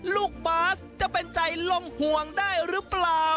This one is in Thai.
ลูกบาสจะเป็นใจลงห่วงได้หรือเปล่า